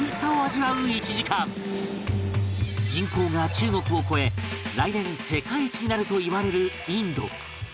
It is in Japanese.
人口が中国を超え来年世界一になるといわれるインド